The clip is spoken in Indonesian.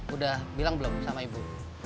udah bilang belum sama ibu